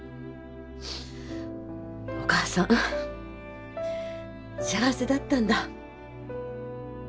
お母さん幸せだったんだ。